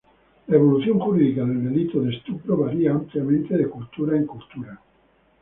La evolución jurídica del delito de estupro varía ampliamente de cultura en cultura.